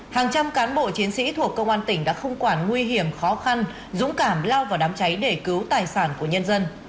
hàng trăm cán bộ chiến sĩ thuộc công an tỉnh đã không quản nguy hiểm khó khăn dũng cảm lao vào đám cháy để cứu tài sản của nhân dân